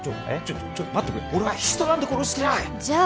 ちょっと待ってくれ俺は人なんて殺してないじゃあ